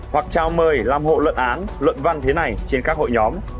hoặc trao mời làm hộ luận án luận văn thế này trên các hội nhóm